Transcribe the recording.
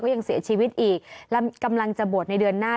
ยังเสียชีวิตอีกและกำลังจะบวชในเดือนหน้า